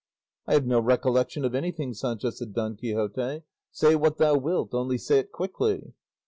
"I have no recollection of anything, Sancho," said Don Quixote; "say what thou wilt, only say it quickly."